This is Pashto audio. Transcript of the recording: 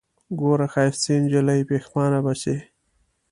ګوره ښايستې نجلۍ پښېمانه به سې